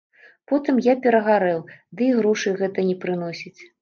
Потым я перагарэў, ды і грошай гэта не прыносіць.